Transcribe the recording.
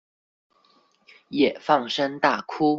也放聲大哭